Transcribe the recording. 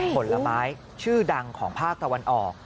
ผลไม้ชื่อดังของภาคตะวันออก